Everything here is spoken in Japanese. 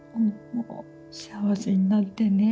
幸せになってね。